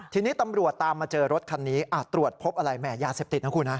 ทีนี้ตำรวจตามมาเจอรถคันนี้ตรวจพบอะไรแหม่ยาเสพติดนะคุณฮะ